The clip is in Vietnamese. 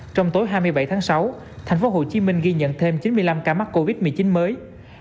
trong tối hai mươi bảy tháng sáu thành phố hồ chí minh ghi nhận thêm chín mươi năm ca mắc covid một mươi chín mới